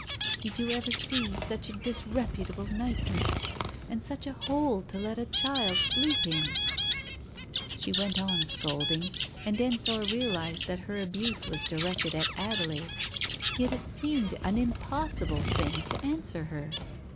... "Did you ever see such a disreputable nightdress? And such a hole to let a child sleep in ?" She went on scolding, and Ensor realized that her abuse was directed at Adelaide. Yet it seemed an impos sible thing to answer her.